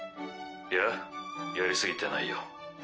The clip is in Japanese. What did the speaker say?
いややり過ぎてないよ。